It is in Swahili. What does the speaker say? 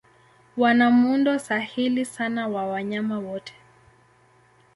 Wana muundo sahili sana wa wanyama wote.